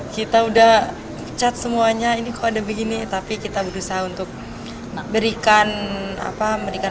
kita sudah cat semuanya ini kok ada begini tapi kita berusaha untuk berikan